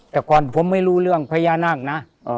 แต่ก่อนผมไม่รู้เรื่องพญานาคนะ